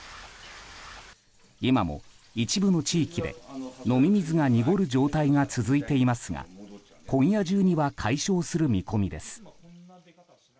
今も一部の地域で飲み水が濁る状態が続いていますが今夜中には解消する見込みです。